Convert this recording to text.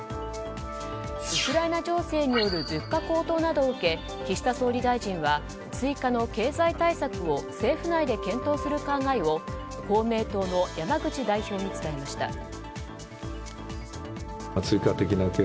ウクライナ情勢による物価高騰などを受け岸田総理大臣は追加の経済対策を政府内で検討する考えを公明党の山口代表に伝えました。